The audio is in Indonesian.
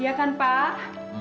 iya kan pak